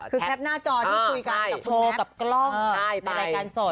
คือแคปหน้าจอที่คุยกันกับคุณแมทในรายการสดใช่ไป